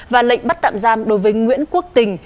và lệnh bắt tạm giam đối với nguyễn quốc tình